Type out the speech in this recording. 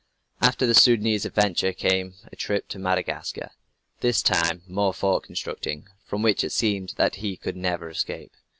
After the Soudanese adventure, came a trip to Madagascar this time, more fort constructing, from which it seemed that he could never escape.